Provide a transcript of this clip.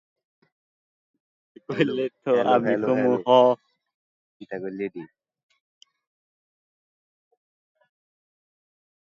During operations in the area, "Indiana"s anti-aircraft gunners claimed their first Japanese aircraft.